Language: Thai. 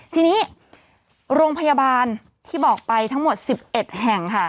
ทีนี้โรงพยาบาลที่บอกไปทั้งหมด๑๑แห่งค่ะ